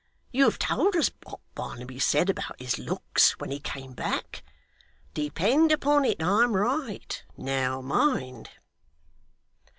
You have told us what Barnaby said about his looks, when he came back. Depend upon it, I'm right. Now, mind.